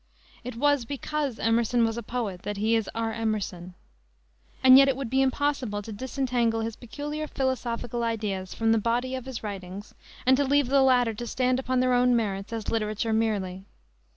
It was because Emerson was a poet that he is our Emerson. And yet it would be impossible to disentangle his peculiar philosophical ideas from the body of his writings and to leave the latter to stand upon their merits as literature merely.